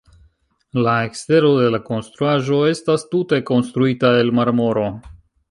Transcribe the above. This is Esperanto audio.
La ekstero de la konstruaĵo estas tute konstruita el marmoro.